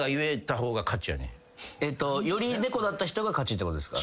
えっとより猫だった人が勝ちってことですか？